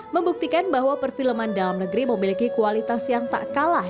membuktikan bahwa perfilman dalam negeri memiliki kualitas yang tak kalah